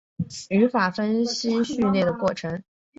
词法分析序列的过程。